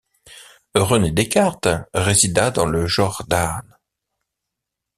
René Descartes résida dans le Jordaan.